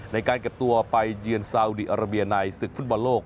ในการเก็บตัวไปเยือนซาอุดีอาราเบียในศึกฟุตบอลโลก